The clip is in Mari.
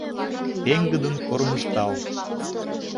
Пеҥгыдын кормыжтал